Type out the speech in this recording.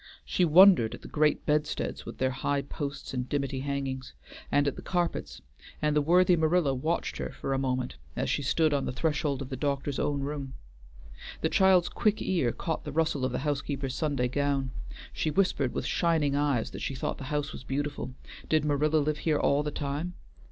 She wondered at the great bedsteads with their high posts and dimity hangings, and at the carpets, and the worthy Marilla watched her for a moment as she stood on the threshold of the doctor's own room. The child's quick ear caught the rustle of the housekeeper's Sunday gown; she whispered with shining eyes that she thought the house was beautiful. Did Marilla live here all the time?